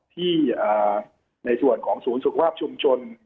ในส่วนของศูนย์สุขภาพชุมชน